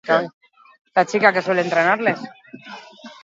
Horren adibide, hiru mugimendu nabarmendu zituen.